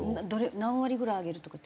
何割ぐらい上げるとかって？